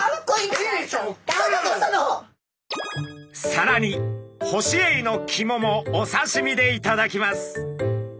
さらにホシエイの肝もお刺身でいただきます。